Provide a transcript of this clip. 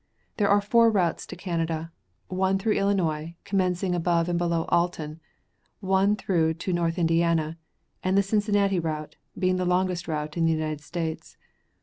There are four routes to Canada. One through Illinois, commencing above and below Alton; one through to North Indiana, and the Cincinnati route, being the largest route in the United States.